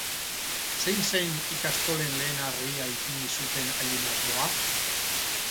Zein zen ikastolen lehen harria ipini zuten haien asmoa?